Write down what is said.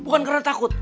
bukan karena takut